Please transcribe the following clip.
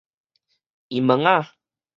奕物仔